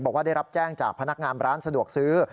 บอกว่าได้รับแจ้งจากพนักงานร้านสะดวกซื้อ